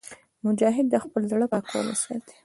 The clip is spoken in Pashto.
مجاهد د خپل زړه پاکوالی ساتي.